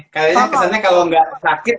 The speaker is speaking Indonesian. kayaknya kesannya kalau nggak sakit